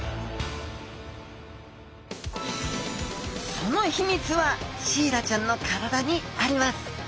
その秘密はシイラちゃんの体にあります